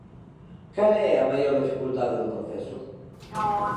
Cal é a maior dificultade do proceso?